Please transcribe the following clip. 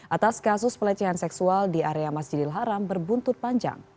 atas kasus pelecehan seksual di area masjidil haram berbuntut panjang